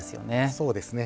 そうですね。